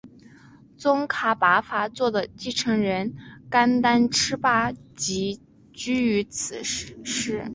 宗喀巴法座的继承人甘丹赤巴即居于此寺。